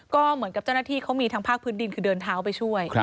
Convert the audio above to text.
ก็เหมือนกับเจ้าหน้าที่เขามีทางภาคพื้นดินคือเดินเท้าไปช่วย